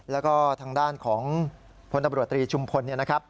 แล้วก็ทางด้านของพลตำรวจตรีชุมพลเนี่ยนะครับ